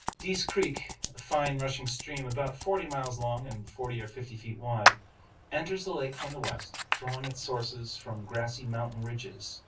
Dease Creek, a fine rushing stream about forty miles long and forty or fifty feet wide, enters the lake from the west, drawing its sources from grassy mountain ridges.